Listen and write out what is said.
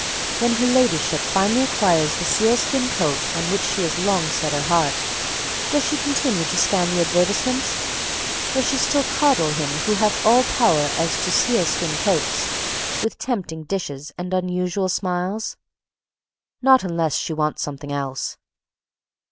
When Her Ladyship finally acquires the sealskin coat on which she has long set her heart, does she continue to scan the advertisements? Does she still coddle him who hath all power as to sealskin coats, with tempting dishes and unusual smiles? Not unless she wants something else.